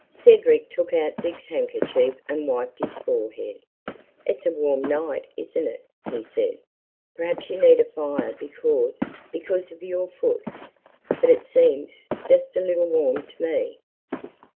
Cedric took out Dick's handkerchief and wiped his forehead. "It's a warm night, isn't it?" he said. "Perhaps you need a fire because because of your foot, but it seems just a little warm to me."